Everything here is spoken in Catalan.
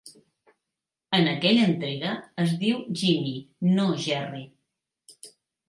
En aquella entrega, es diu Jimmy, no Jerry.